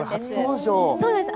そうなんです。